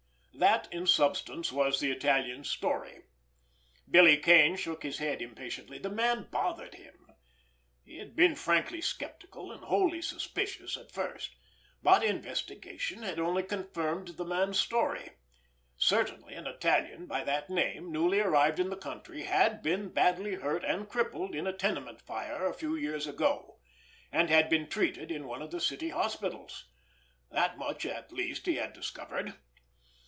That, in substance, was the Italian's story. Billy Kane shook his head impatiently. The man bothered him. He had been frankly skeptical and wholly suspicious at first; but investigation had only confirmed the man's story. Certainly, an Italian by that name, newly arrived in the country, had been badly hurt and crippled in a tenement fire a few years ago, and had been treated in one of the city hospitals. That much, at least, he had discovered!